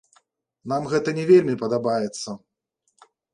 Нам гэта не вельмі падабаецца.